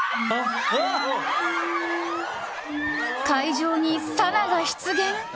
会場にさなが出現。